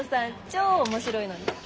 超面白いのに。